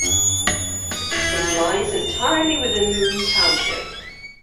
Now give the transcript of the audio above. It lies entirely within Moon Township.